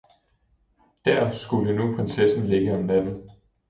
Dér skulle nu prinsessen ligge om natten.